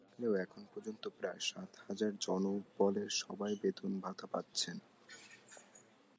তবে সংকট থাকলেও এখন পর্যন্ত প্রায় সাত হাজার জনবলের সবাই বেতন-ভাতা পাচ্ছেন।